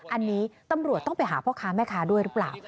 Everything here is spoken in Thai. อันนี้ตำรวจต้องไปหาพ่อค้าแม่ค้าด้วยหรือเปล่า